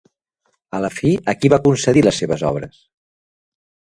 A la fi, a qui va concedir les seves obres?